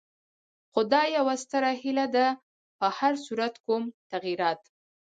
خو دا یوه ستره هیله ده، په هر صورت کوم تغیرات.